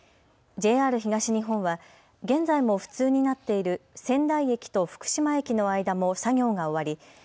ＪＲ東日本は現在も不通になっている仙台駅と福島駅の間も作業が終わり